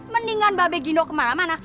mendingan babe gindo kemana mana